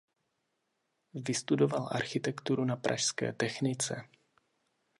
Vystudoval architekturu na pražské technice.